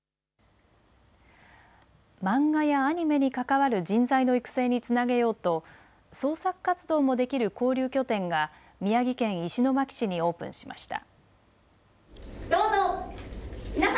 漫画やアニメに関わる人材の育成につなげようと創作活動もできる交流拠点が宮城県石巻市にオープンしました。